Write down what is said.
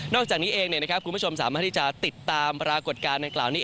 อกจากนี้เองคุณผู้ชมสามารถที่จะติดตามปรากฏการณ์ดังกล่าวนี้